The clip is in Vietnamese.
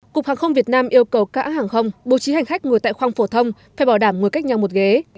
cục hàng không việt nam yêu cầu các hãng hàng không bố trí hành khách ngồi tại khoang phổ thông phải bảo đảm ngồi cách nhau một ghế